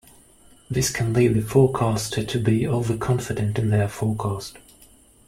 This can lead the forecaster to be overconfident in their forecast.